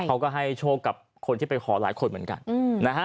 เขาก็ให้โชคกับคนที่ไปขอหลายคนเหมือนกันนะฮะ